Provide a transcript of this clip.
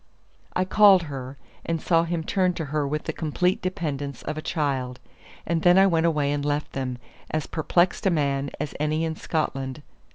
I called her, and saw him turn to her with the complete dependence of a child; and then I went away and left them, as perplexed a man as any in Scotland.